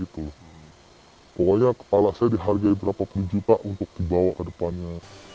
pokoknya kepala saya dihargai berapa puluh juta untuk dibawa ke depannya